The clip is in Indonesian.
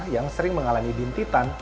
yang sering mengalami bintitan